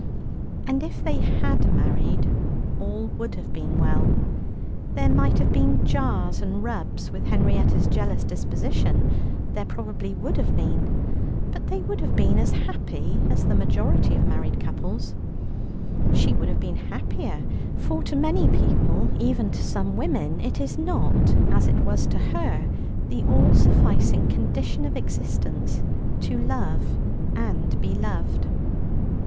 And if they had married all would have been well. There might have been jars and rubs, with Henrietta's jealous disposition there probably would have been, but they would have been as happy as the majority of married couples; she would have been happier, for to many people, even to some women, it is not, as it was to her, the all sufficing condition of existence to love and be loved.